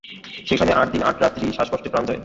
সেখানে আট দিন আট রাত্রি শ্বাসকষ্টে প্রাণ যায় যায়।